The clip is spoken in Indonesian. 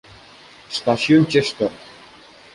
Stasiun Chester.